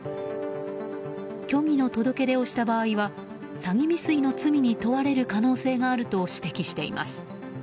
虚偽の届け出をした場合は詐欺未遂の罪に問われる可能性があると指摘しています。